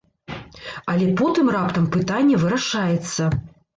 Але потым раптам пытанне вырашаецца.